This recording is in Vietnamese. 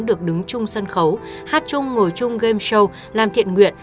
được đứng chung sân khấu hát chung ngồi chung game show làm thiện nguyện